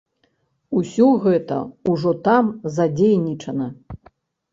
Усё гэта ўжо там задзейнічана.